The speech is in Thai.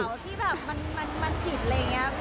ที่แบบมันผิดอะไรอย่างนี้